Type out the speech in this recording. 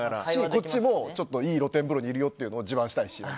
こっちもいい露天風呂にいるよっていうのを自慢したいし。